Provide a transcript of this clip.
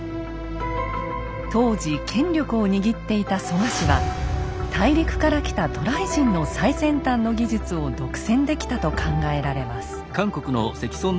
当時権力を握っていた蘇我氏は大陸から来た渡来人の最先端の技術を独占できたと考えられます。